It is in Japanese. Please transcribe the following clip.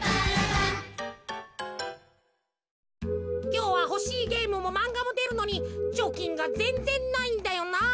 きょうはほしいゲームもまんがもでるのにちょきんがぜんぜんないんだよなあ。